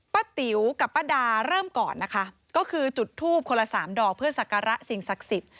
ติ๋วกับป้าดาเริ่มก่อนนะคะก็คือจุดทูบคนละสามดอกเพื่อสักการะสิ่งศักดิ์สิทธิ์